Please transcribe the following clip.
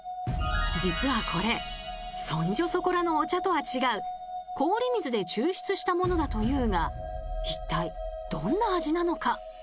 実はこれそんじょそこらのお茶とは違う氷水で抽出したものだというが一体どんな味なのか。